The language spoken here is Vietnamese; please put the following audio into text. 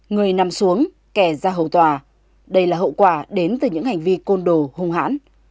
người nằm xuống kè ra hầu tòa đây là hậu quả đến từ những hành vi côn đồ hung hãn